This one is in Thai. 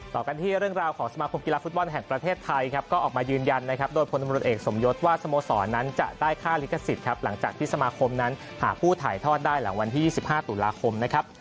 ต่อกันที่เรื่องราวของสมาคมกีฬาฟุตบอลแห่งประเทศไทยครับก็ออกมายืนยันนะครับโดยพลตำรวจเอกสมยศว่าสโมสรนั้นจะได้ค่าลิขสิทธิ์ครับหลังจากที่สมาคมนั้นหาผู้ถ่ายทอดได้หลังวันที่๒๕ตุลาคมนะครับ